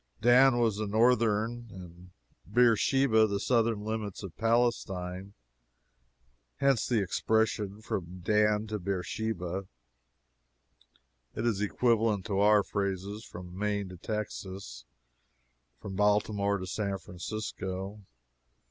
Dan was the northern and Beersheba the southern limit of Palestine hence the expression "from Dan to Beersheba." It is equivalent to our phrases "from Maine to Texas" "from Baltimore to San Francisco."